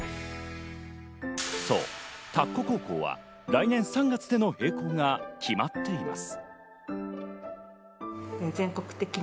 そう、田子高校は来年３月での閉校が決まっています。